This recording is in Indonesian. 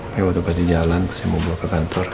tapi waktu pas di jalan saya mau bawa ke kantor